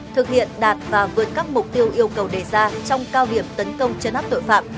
thực hiện đạt và vượt các mục tiêu yêu cầu đề ra trong cao điểm tấn công chấn áp tội phạm